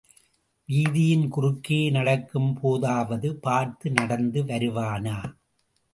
வீதியின் குறுக்கே நடக்கும் போதாவது பார்த்து நடந்து வருவானா?